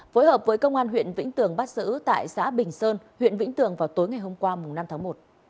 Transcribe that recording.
phối hợp với công an huyện vĩnh tường bắt giữ tại xã bình sơn huyện vĩnh tường vào tối ngày hôm qua năm tháng một